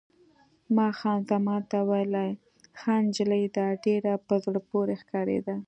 ما خان زمان ته وویل: ښه نجلۍ ده، ډېره په زړه پورې ښکارېده.